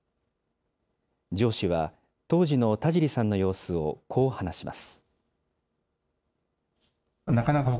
上司は、当時の田尻さんの様子をこう話します。